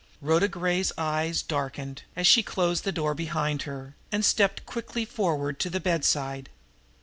Rhoda Gray's eyes darkened, as she closed the door behind her, and stepped quickly forward to the bedside.